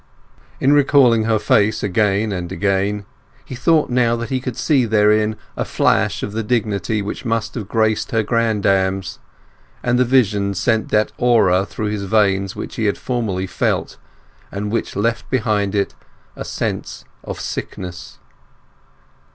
In recalling her face again and again, he thought now that he could see therein a flash of the dignity which must have graced her grand dames; and the vision sent that aura through his veins which he had formerly felt, and which left behind it a sense of sickness.